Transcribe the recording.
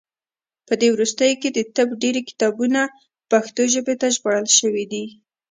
په دې وروستیو کې د طب ډیری کتابونه پښتو ژبې ته ژباړل شوي دي.